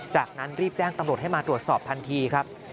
จากนั้นรีบแจ้งตำรวจให้มาตรวจสอบทันทีครับ